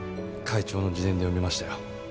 会長の自伝で読みましたよ。